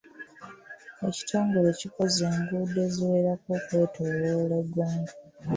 Ekitongole kikoze enguudo eziwerako okwetooloola eggwanga.